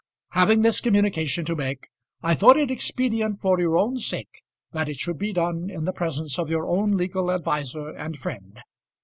Having this communication to make, I thought it expedient for your own sake that it should be done in the presence of your own legal adviser and friend."